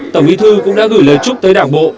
tổng bí thư cũng đã gửi lời chúc tới đảng bộ